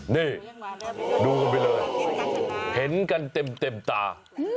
นี่ดูกันไปเลยเห็นกันเต็มตา